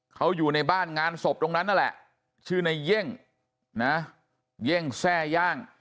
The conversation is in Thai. เขาอยู่ในบ้านงานศพตรงนั้นนั่นแหละชื่อในเย่งนะเย่งแทร่ย่าง